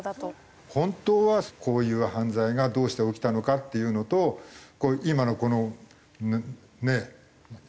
本当はこういう犯罪がどうして起きたのかっていうのと今のこのねえ？